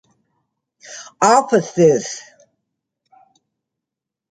Offices.